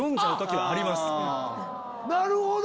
なるほど！